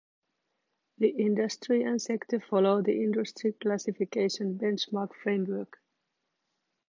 The industry and sector follow the Industry Classification Benchmark framework.